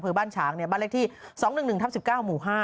บ้านฉางบ้านเลขที่๒๑๑ทับ๑๙หมู่๕